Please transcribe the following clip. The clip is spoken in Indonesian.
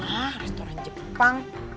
hah restoran jepang